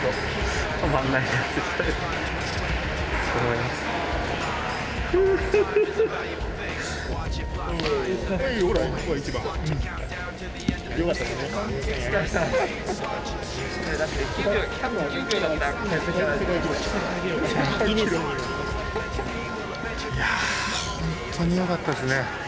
いやホントによかったですね。